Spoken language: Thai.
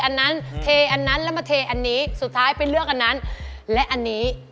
อันนั้นเทอันนั้นแล้วมาเทอันนี้สุดท้ายไปเลือกอันนั้นและอันนี้